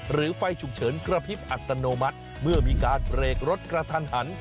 ไฟฉุกเฉินกระพริบอัตโนมัติเมื่อมีการเบรกรถกระทันหัน